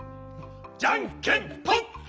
じゃんけんぽん！